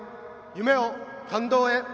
「夢を感動へ。